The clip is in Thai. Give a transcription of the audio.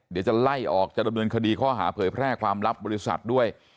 เดี๋ยวจะไล่ออกจะดำเนินคดีข้อหาเผยแพร่ความลับบริษัทด้วย